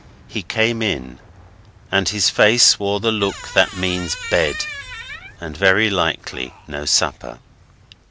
He came in, and his face wore the look that means bed, and very likely no supper.